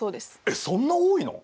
えっそんな多いの。